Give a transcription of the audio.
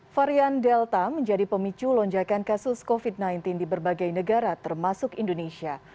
varian delta menjadi pemicu lonjakan kasus covid sembilan belas di berbagai negara termasuk indonesia